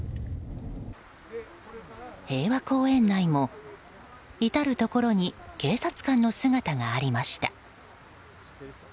平和公園内も至るところに警察官の姿がありました。